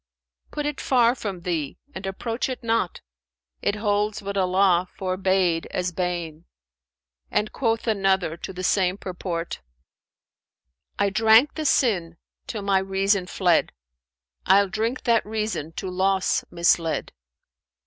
Put it far from thee and approach it not; * It holds what Allah forbade as bane.' And quoth another to the same purport, 'I drank the sin till my reason fled: * Ill drink that reason to loss misled!'